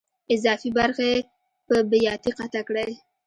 اضافي برخې په بیاتي قطع کړئ.